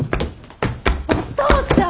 お父ちゃん！